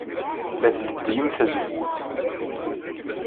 La tleddyem tazewwut.